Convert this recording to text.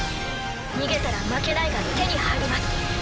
逃げたら「負けない」が手に入ります。